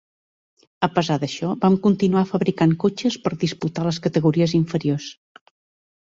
A pesar d'això, van continuar fabricant cotxes per disputar les categories inferiors.